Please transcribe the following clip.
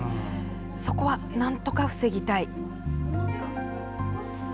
そこは、なんとか防ぎたい。